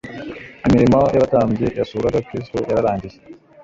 "Imirimo y'abatambyi yasuraga Kristo yararangiye;